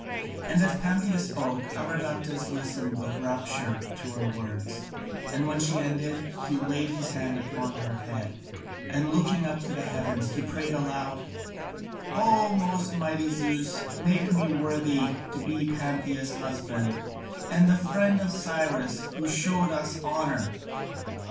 And as Pantheia spoke, Abradatas listened with rapture to her words, and when she ended, he laid his hand upon her head, and looking up to heaven he prayed aloud: "O most mighty Zeus, make me worthy to be Pantheia's husband, and the friend of Cyrus who showed us honour!"